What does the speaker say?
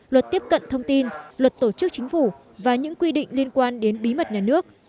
luật tiếp cận thông tin luật tổ chức chính phủ và những quy định liên quan đến bí mật nhà nước